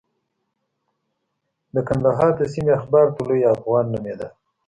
د کندهار د سیمې اخبار طلوع افغان نومېده.